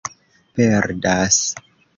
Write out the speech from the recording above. perdas